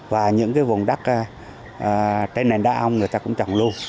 và những cái vùng đắc trên nền đá ong người ta cũng trồng luôn